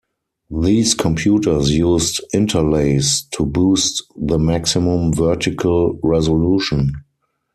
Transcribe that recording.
These computers used interlace to boost the maximum vertical resolution.